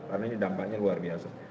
karena ini dampaknya luar biasa